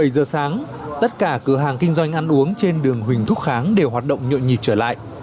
bảy giờ sáng tất cả cửa hàng kinh doanh ăn uống trên đường huỳnh thúc kháng đều hoạt động nhộn nhịp trở lại